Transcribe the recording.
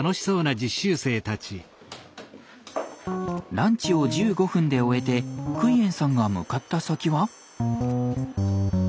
ランチを１５分で終えてクイエンさんが向かった先は。